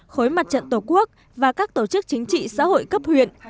khối mặt trận tổ quốc và các tổ chức chính trị xã hội cấp huyện